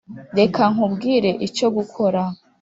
reka nkubwire icyo gukora.